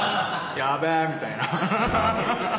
やべえみたいな。